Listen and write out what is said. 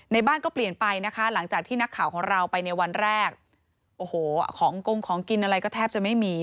บ้านก็เปลี่ยนไปนะคะหลังจากที่นักข่าวของเราไปในวันแรกโอ้โหของกงของกินอะไรก็แทบจะไม่มี